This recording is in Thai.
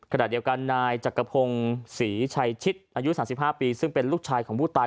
ขณะเดียวกันนายจักรพงศ์ศรีชัยชิดอายุ๓๕ปีซึ่งเป็นลูกชายของผู้ตาย